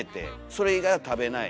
それ以外は食べない。